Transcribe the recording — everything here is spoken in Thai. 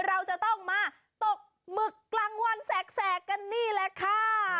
เราจะต้องมาตกหมึกกลางวันแสกกันนี่แหละค่ะ